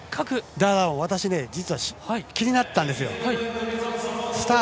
ダダオン私、実は気になってたんですよ。